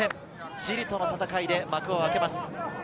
チリとの戦いで幕を開けます。